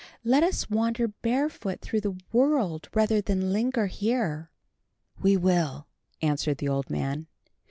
Let us wander barefoot through the world rather than linger here." "We will," answered the old man.